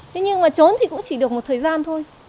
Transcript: thế nhưng mà trốn thì cũng chỉ được một thời gian thôi